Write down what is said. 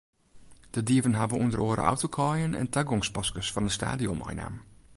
De dieven hawwe ûnder oare autokaaien en tagongspaskes fan it stadion meinaam.